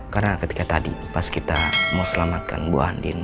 karena ketika tadi pas kita mau selamatkan bu andin